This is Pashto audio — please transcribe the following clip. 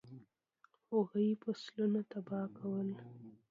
هغوی فصلونه تباه کول.